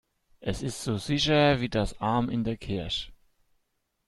Es ist so sicher wie das Amen in der Kirche.